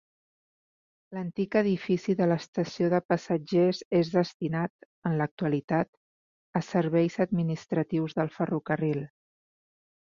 L'antic edifici de l'estació de passatgers és destinat, en l'actualitat, a serveis administratius del ferrocarril.